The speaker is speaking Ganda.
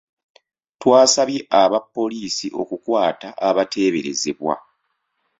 Twasabye aba poliisi okukwata abateeberezebwa.